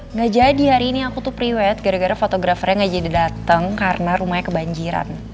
nggak jadi hari ini aku tuh priwet gara gara fotografernya nggak jadi dateng karena rumahnya kebanjiran